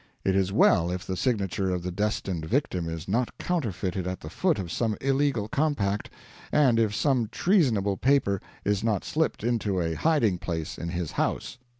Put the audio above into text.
It is well if the signature of the destined victim is not counterfeited at the foot of some illegal compact, and if some treasonable paper is not slipped into a hiding place in his house."